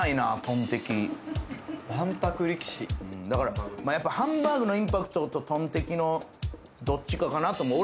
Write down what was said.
わんぱく力士だからハンバーグのインパクトとトンテキのどっちかかなと思う